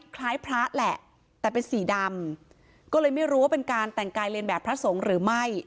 คล้ายพระแหละแต่เป็นสีดำก็เลยไม่รู้ว่าเป็นการแต่งกายเรียนแบบพระสงฆ์หรือไม่